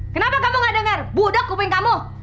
kenapa kamu gak dengar budak kuping kamu